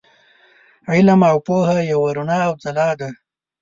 علم او پوهه یوه رڼا او ځلا ده.